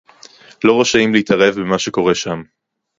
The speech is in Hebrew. לא רשאים להתערב במה שקורה שם